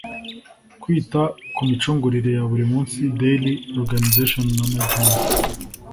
Kwita ku micungire ya buri munsi Daily organization s management